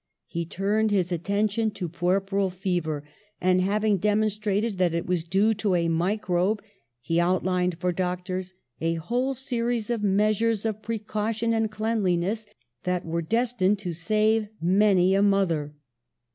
He turned his at tention to puerperal fever, and, having dem onstrated that it was due to a microbe, he out lined for doctors a whole series of measures of precaution and cleanliness that were destined to save many a mother.